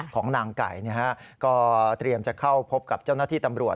ของนางไก่ก็เตรียมจะเข้าพบกับเจ้าหน้าที่ตำรวจ